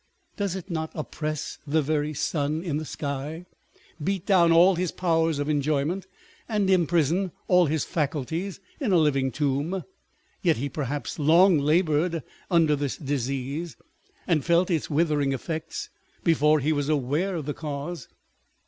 Does it not oppress the very sun in the sky, beat down all his powers of enjoyment, and imprison all his faculties in a living tomb? Yet he perhaps long laboured under this disease, and felt its withering effects, before he was aware of the cause.